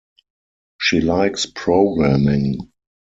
She likes programming.